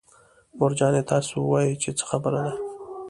مور جانې تاسو ووايئ چې څه خبره ده.